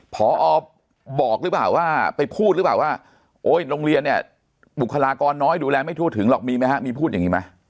พอบอกหรือเปล่าว่าไปพูดหรือเปล่าว่าโอ๊ยโรงเรียนเนี่ยบุคลากรน้อยดูแลไม่ทั่วถึงหรอกมีไหมฮะมีพูดอย่างนี้ไหม